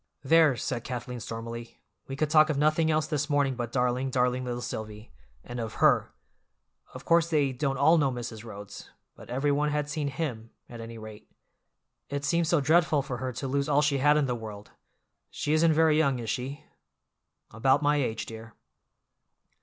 "There!" said Kathleen stormily, "we could talk of nothing else this morning but darling, darling little Silvy, and of her. Of course they don't all know Mrs. Rhodes, but every one had seen him, at any rate. It seems so dreadful for her to lose all she had in the world! She isn't very young, is she?" "About my age, dear."